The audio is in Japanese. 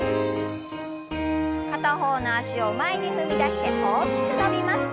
片方の脚を前に踏み出して大きく伸びます。